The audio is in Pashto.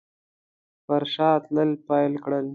پر شا تلل پیل کړل.